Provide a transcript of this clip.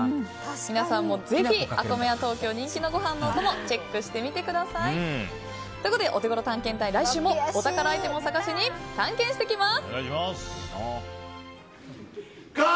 皆さんもぜひＡＫＯＭＥＹＡＴＯＫＹＯ人気のご飯のお供チェックしてみてください。ということでオテゴロ探検隊お宝アイテムを探しに探検してきます。